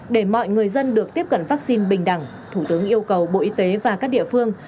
để mọi người dân được tiếp cận vaccine bình đẳng thủ tướng yêu cầu bộ y tế và các địa phương